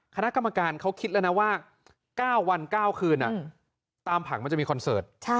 คณะกรรมการเขาคิดแล้วนะว่า๙วัน๙คืนตามผังมันจะมีคอนเสิร์ต